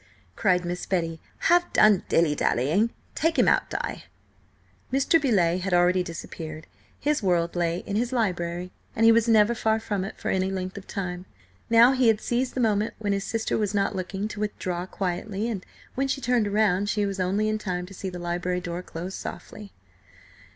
cried Miss Betty. "Have done dilly dallying! Take him out, Di!" Mr. Beauleigh had already disappeared. His world lay in his library, and he was never far from it for any length of time. Now he had seized the moment when his sister was not looking to withdraw quietly, and, when she turned round, she was only in time to see the library door close softly.